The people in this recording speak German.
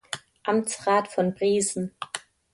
Amtsrat von Briesen.